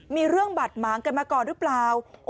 มีเรื่องบาดหมางกันมาก่อนหรือเปล่า